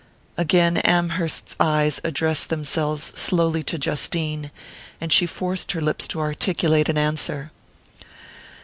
Again Amherst's eyes addressed themselves slowly to Justine; and she forced her lips to articulate an answer.